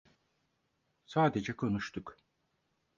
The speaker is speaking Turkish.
Sadece konuştuk.